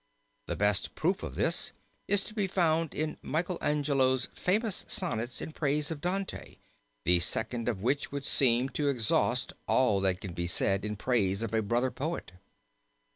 The best proof of this is to be found in Michael Angelo's famous sonnets in praise of Dante, the second of which would seem to exhaust all that can be said in praise of a brother poet.